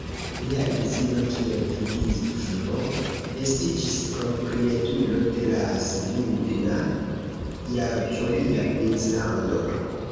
Lia edzino kiel vidvino estiĝis proprietulo de la Svidna-Javoria princlando.